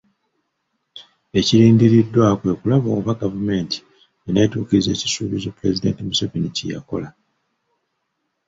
Ekirindiriddwa kwe kulaba oba gavumenti enaatuukiriza ekisuuubizo Pulezidenti Museveni kye yakola .